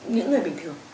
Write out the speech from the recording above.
những người bình thường